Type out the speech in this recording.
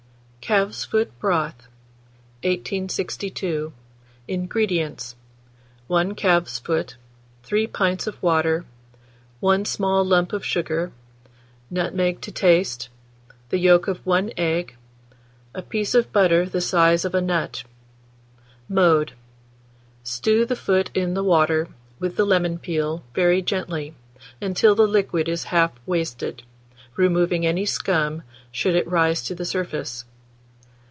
CALF'S FOOT BROTH. 1862. INGREDIENTS. 1 calf's foot, 3 pints of water, 1 small lump of sugar, nutmeg to taste, the yolk of 1 egg, a piece of butter the size of a nut. Mode. Stew the foot in the water, with the lemon peel, very gently, until the liquid is half wasted, removing any scum, should it rise to the surface.